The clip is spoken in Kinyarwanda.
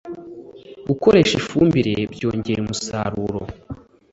Gukoresha ifumbire byongera umusaruro